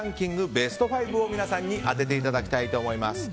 ベスト５を皆さんに当てていただきたいと思います。